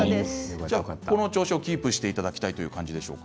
この調子をキープしていただきたいという感じでしょうか？